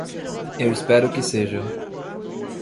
Eu espero que seja.